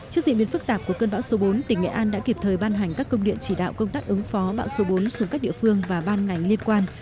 trước diễn biến phức tạp của cơn bão số bốn tỉnh nghệ an đã kịp thời ban hành các công điện chỉ đạo công tác ứng phó bão số bốn xuống các địa phương và ban ngành liên quan